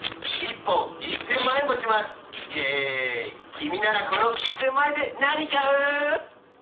「君ならこの１０００万円で何買う？」